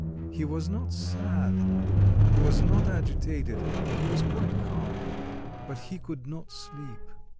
He was not sad, he was not agitated, he was quite clam; but he could not sleep.